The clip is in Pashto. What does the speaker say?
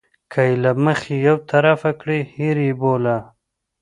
که یې له مخې یو طرفه کړي هېر یې بوله.